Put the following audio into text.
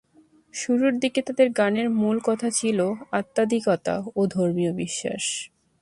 শুরুর দিকে তাদের গানের মূল কথা ছিল আধ্যাত্মিকতা ও ধর্মীয় বিশ্বাস।